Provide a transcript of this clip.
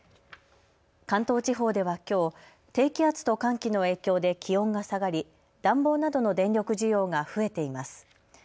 関東地方ではきょう、低気圧と寒気の影響で気温が下がり暖房などの電力需要が増えています。